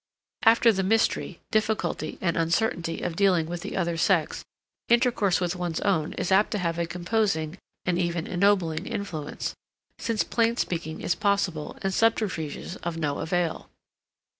After the mystery, difficulty, and uncertainty of dealing with the other sex, intercourse with one's own is apt to have a composing and even ennobling influence, since plain speaking is possible and subterfuges of no avail.